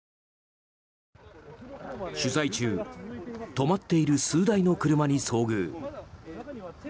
取材中止まっている数台の車に遭遇。